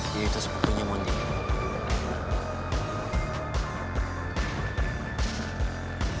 dia itu sepupunya monty